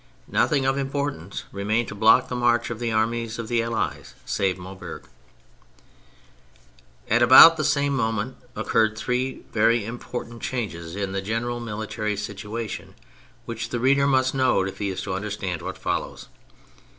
Nothing of importance remained to block the march of the Armies of the Allies, save Maubeuge. At about the same moment occurred three very important changes in the general military situation, which the reader must note if he is to understand what follows.